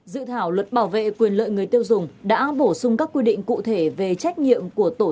dự thảo luật bảo vệ quyền lợi người tiêu dùng đã bổ sung các quy định cụ thể về trách nhiệm của tổ